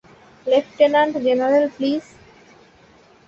Lieutenant general please.